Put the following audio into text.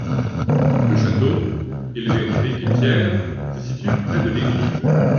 Le château, élevé en brique et pierre, se situe près de l'église.